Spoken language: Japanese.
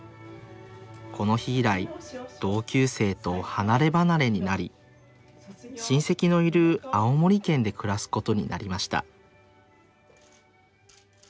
この日以来同級生と離れ離れになり親戚のいる青森県で暮らすことになりました